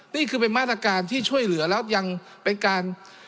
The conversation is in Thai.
นี่คือเป็นมาตรการที่ช่วยเหลือแล้วยังเป็นการ